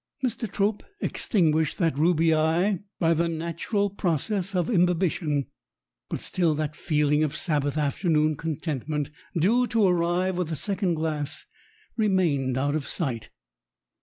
Mr. Trope extinguished that ruby eye by the nat ural process of imbibition, but still that feeling of Sabbath afternoon contentment, due to arrive with the second glass, remained out of sight.